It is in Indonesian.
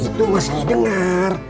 itu mah saya dengar